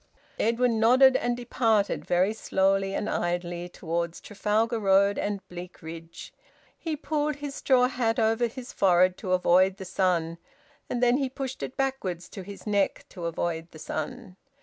Edwin nodded and departed, very slowly and idly, towards Trafalgar Road and Bleakridge. He pulled his straw hat over his forehead to avoid the sun, and then he pushed it backwards to his neck to avoid the sun.